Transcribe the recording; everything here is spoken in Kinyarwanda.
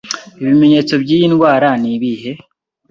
Ibimenyetso by'iyi ndwara ni ibihe?